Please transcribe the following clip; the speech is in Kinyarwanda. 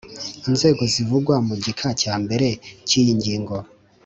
Inzego zivugwa mu gika cya mbere cy iyi ngingo